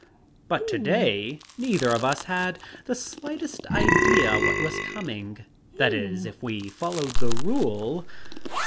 "But to day neither of us had the slightest idea what was coming. That is, if we followed the rule.